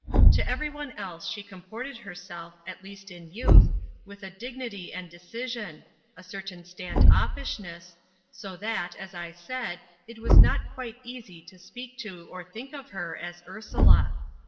To every one else she comported herself, at least in youth, with a dignity and decision a certain stand offishness so that, as I said, it was not quite easy to speak to or think of her as "Ursula."